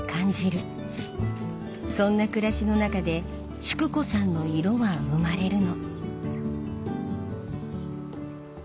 そんな暮らしの中で淑子さんの色は生まれるの。